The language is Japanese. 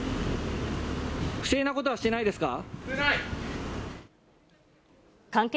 不正なことはしてないですか？